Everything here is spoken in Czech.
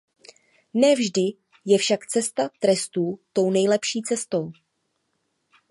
Ne vždy je však cesta trestů tou nejlepší cestou.